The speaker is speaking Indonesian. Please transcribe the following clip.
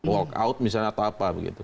walk out misalnya atau apa begitu